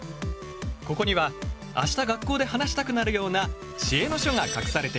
ここには明日学校で話したくなるような知恵の書が隠されている。